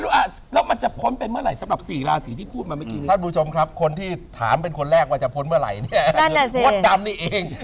แล้วมันจะพ้นเป็นเมื่อไหร่สำหรับสีลาสีที่พูดมาเมื่อกี้